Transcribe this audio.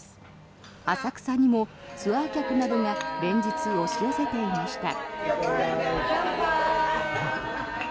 浅草にもツアー客などが連日、押し寄せていました。